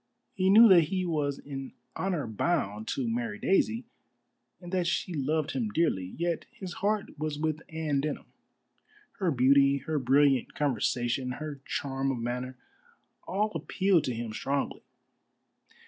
He knew that he was in honor bound to marry Daisy, and that she loved him dearly, yet his heart was with Anne Denham. Her beauty, her brilliant conversation, her charm of manner, all appealed to him strongly.